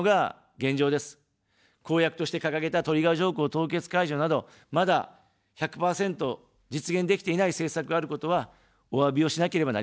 公約として掲げたトリガー条項凍結解除など、まだ１００％実現できていない政策があることは、おわびをしなければなりません。